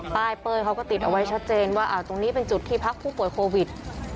เป้ยเขาก็ติดเอาไว้ชัดเจนว่าตรงนี้เป็นจุดที่พักผู้ป่วยโควิด